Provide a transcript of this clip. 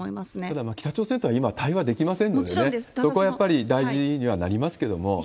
ただ、北朝鮮とは今、対話できませんのでね、そこはやっぱり大事にはなりますけれども。